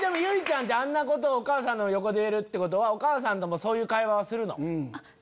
あんなことをお母さんの横で言えるってことはお母さんともそういう会話はするの？